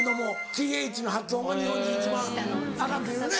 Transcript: ｔｈの発音が日本人一番アカンっていうよね。